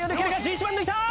１１番抜いた！